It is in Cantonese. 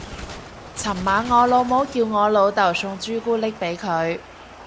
尋晚我老母叫我老竇送朱古力俾佢